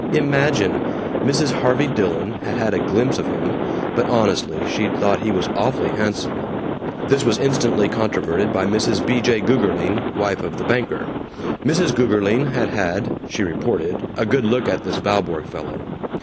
Imagine! Mrs. Harvey Dillon had had a glimpse of him, but honestly, she'd thought he was awfully handsome. This was instantly controverted by Mrs. B. J. Gougerling, wife of the banker. Mrs. Gougerling had had, she reported, a good look at this Valborg fellow.